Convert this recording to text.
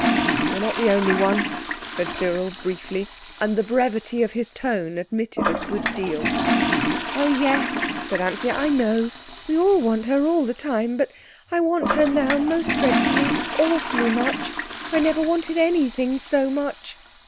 "You're not the only one," said Cyril briefly, and the brevity of his tone admitted a good deal. "Oh, yes," said Anthea, "I know. We all want her all the time. But I want her now most dreadfully, awfully much. I never wanted anything so much.